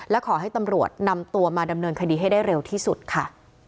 และขอให้ตำรวจนำตัวมาดำเนินคดีให้ได้เร็วที่สุดค่ะ